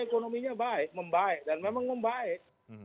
ekonominya baik membaik dan memang membaik